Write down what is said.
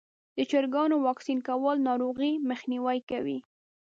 د چرګانو واکسین کول ناروغۍ مخنیوی کوي.